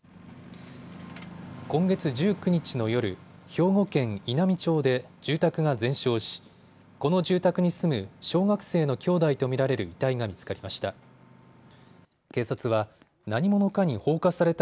今月１９日の夜、兵庫県稲美町で住宅が全焼しこの住宅に住む小学生の兄弟と見られる遺体が見つかりました。